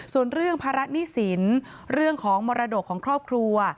ส่วนเรื่องภาระหนี้สินเรื่องของมรดกของครอบครัว